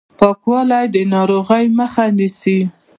پاکوالی د ناروغیو مخه نیسي